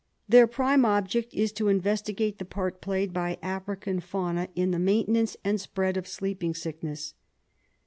Their prime object is to investigate the part played by African fauna in the maintenance and spread of sleeping sickness.